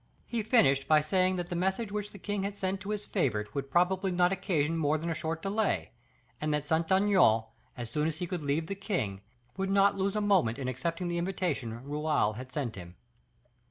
He finished by saying that the message which the king had sent to his favorite would probably not occasion more than a short delay, and that Saint Aignan, as soon as he could leave the king, would not lose a moment in accepting the invitation Raoul had sent him.